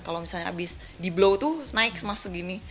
kalau misalnya abis di blow itu naik semasa segini